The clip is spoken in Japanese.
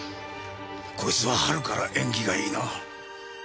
こいつは春から縁起がいいな。